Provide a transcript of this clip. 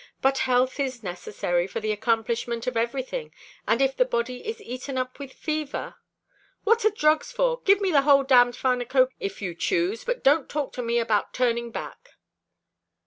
"But health is necessary to the accomplishment of everything, and if the body is eaten up with fever " "What are drugs for? Give me the whole damned pharmacopeia if you choose, but don't talk to me about turning back."